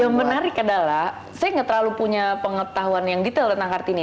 yang menarik adalah saya nggak terlalu punya pengetahuan yang detail tentang kartini